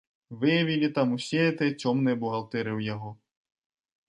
Выявілі там усе гэтыя цёмныя бухгалтэрыі ў яго.